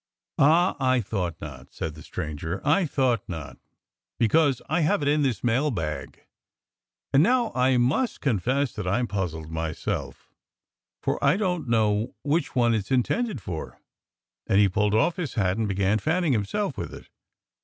"Ah! I thought not!" said the stranger, "I thought not, because I have it in this mail bag. And now I must confess that I'm puzzled myself; for I don't know which one it's intended for." And he pulled off his hat and began fanning himself with it.